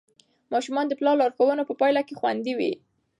ماشومان د پلار لارښوونو په پایله کې خوندي وي.